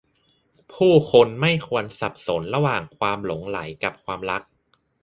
ผู้คนไม่ควรสับสนระหว่างความหลงใหลกับความรัก